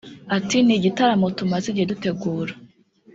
Ati “Ni igitaramo tumaze igihe dutegura